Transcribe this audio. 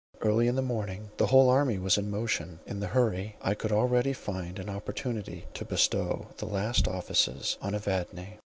Early in the morning the whole army was in motion. In the hurry I could hardly find an opportunity to bestow the last offices on Evadne.